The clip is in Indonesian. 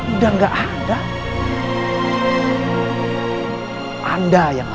udah nggak ada